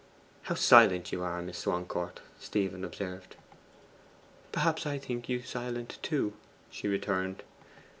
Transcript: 'How silent you are, Miss Swancourt!' Stephen observed. 'Perhaps I think you silent too,' she returned.